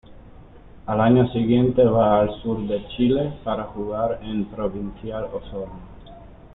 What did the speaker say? Al año siguiente va al sur de Chile para jugar en Provincial Osorno.